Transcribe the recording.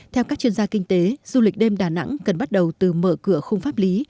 theo các chuyên gia kinh tế du lịch đêm đà nẵng cần bắt đầu từ mở cửa không pháp lý